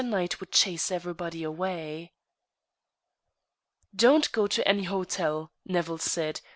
Knight would chase everybody away." "Don't go to any hotel," Nevill said.